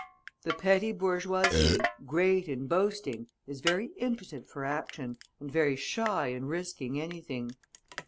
The petty bourgeoisie, great in boasting, is very impotent for action, and very shy in risking anything.